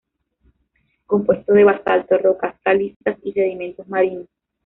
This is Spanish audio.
Compuesto de basalto, rocas calizas y sedimentos marinos.